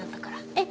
えっ！